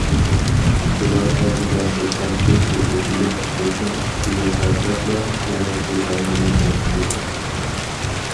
ئۇلار ئاغزىغا بىر تامچە سۇنى ئېلىپ، ئوتنىڭ ئۈستىگە تاشلاپلا، يەنە سۇ ئالغىلى مېڭىپتۇ.